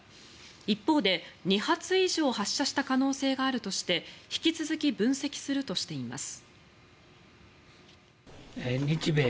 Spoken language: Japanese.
一方で２発以上発射した可能性があるとして引き続き分析するとしています。